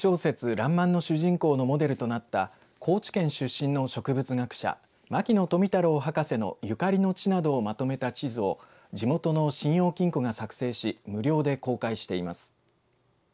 らんまんの主人公のモデルとなった高知県出身の植物学者牧野富太郎博士のゆかりの地などをまとめた地図を地元の信用金庫が作成し無料で公開しています。